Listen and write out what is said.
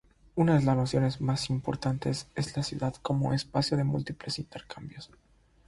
Una de las nociones más importantes es la ciudad como espacio de múltiples intercambios.